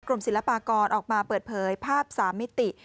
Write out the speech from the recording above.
ศิลปากรออกมาเปิดเผยภาพ๓มิติ